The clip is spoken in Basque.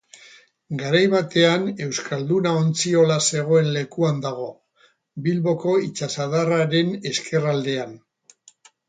Garai batean Euskalduna ontziola zegoen lekuan dago, Bilboko itsasadarraren Ezkerraldean.